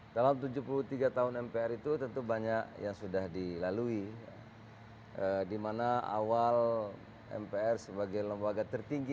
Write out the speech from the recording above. dalam tujuh puluh tiga tahun mpr itu tentu banyak yang sudah dilalui di mana awal mpr sebagai lembaga tertinggi